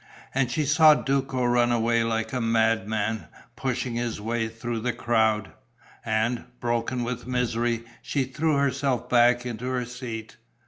And she saw Duco run away like a madman, pushing his way through the crowd; and, broken with misery, she threw herself back in her seat.